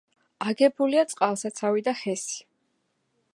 აგებულია წყალსაცავი და ჰესი.